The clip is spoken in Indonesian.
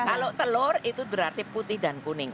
kalau telur itu berarti putih dan kuning